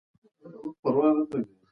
که مینه وي ماشومان ستړي نه کېږي.